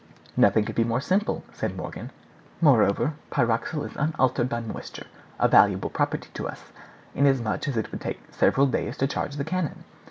"Nothing could be more simple," said Morgan. "Moreover, pyroxyle is unaltered by moisture—a valuable property to us, inasmuch as it would take several days to charge the cannon.